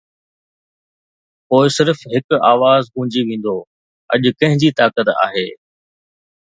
پوءِ فقط هڪ آواز گونجي ويندو: ’اڄ ڪنهن جي طاقت آهي‘؟